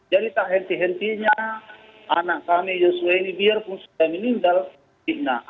jadi tak henti hentinya anak kami yuswa ini biarpun sudah meninggal dipitnah